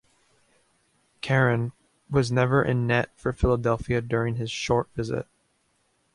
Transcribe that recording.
Caron was never in net for Philadelphia during his short visit.